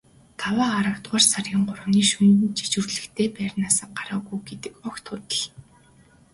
Даваа аравдугаар сарын гуравны шөнө жижүүрлэхдээ байрнаасаа гараагүй гэдэг огт худал.